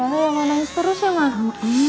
bagaimana yang harus terus ya ma